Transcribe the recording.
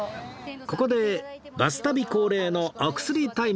ここで『バス旅』恒例のお薬タイム